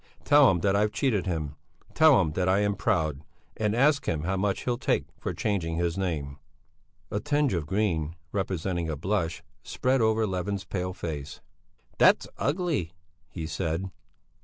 Tell him that I've cheated him, tell him that I am proud, and ask him how much he'll take for changing his name." A tinge of green, representing a blush, spread over Levin's pale face. "That's ugly," he said.